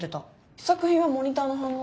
試作品はモニターの反応